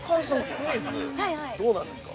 クイズどうなんですか？